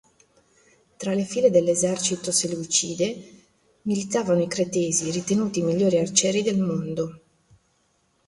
Tra le file dell'esercito seleucide militavano i Cretesi, ritenuti i migliori arcieri del mondo.